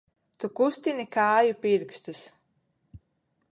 Tu kustini kāju pirkstus!